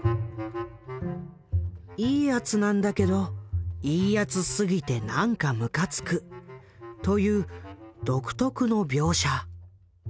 「いいやつ」なんだけど「いいやつ」すぎてなんかむかつくという独特の描写。